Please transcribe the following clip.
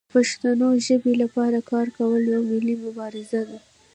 د پښتو ژبې لپاره کار کول یوه ملي مبارزه ده.